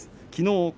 きのう